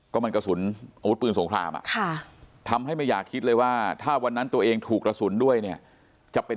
ก็มันกระสุนอาวุธปืนสงครามทำให้ไม่อยากคิดเลยว่าถ้าวันนั้นตัวเองถูกกระสุนด้วยเนี่ยจะเป็น